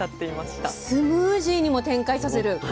スムージーにも展開させる。